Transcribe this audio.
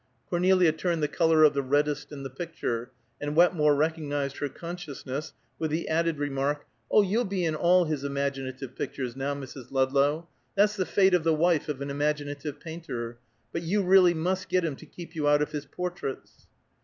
Cornelia turned the color of the reddest in the picture, and Wetmore recognized her consciousness with the added remark, "Oh, you'll be in all his imaginative pictures, now, Mrs. Ludlow. That's the fate of the wife of an imaginative painter. But you really must get him to keep you out of his portraits."